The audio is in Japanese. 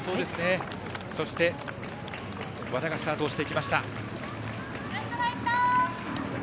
そして和田がスタートしていきました。